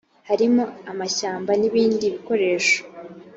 harimo amashyamba n ibindi bikoresho